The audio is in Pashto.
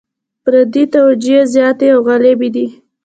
فردي توجیې زیاتې او غالبې دي.